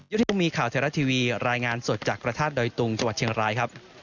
ที่คงมีข่าวไทยรัฐทีวีรายงานสดจากพระธาตุดอยตุงจังหวัดเชียงรายครับ